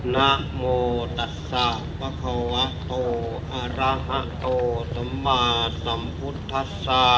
นักโมตัสสะภักขวะโอฮาระฮะโอสัมมาสัมพุทธสะ